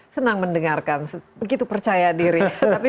senang mendengarkan begitu percaya diri